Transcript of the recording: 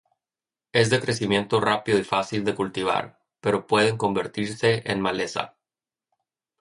Es de crecimiento rápido y fácil de cultivar, pero pueden convertirse en maleza.